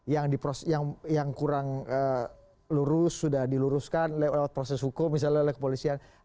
yang kurang lurus sudah diluruskan lewat proses hukum misalnya oleh kepolisian